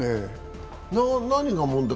何が問題？